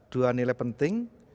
dua nilai penting